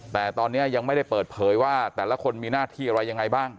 แต่ตอนนี้ยังไม่ได้เปิดเผยว่าแต่ละคนมีหน้าที่อะไรยังไงบ้าง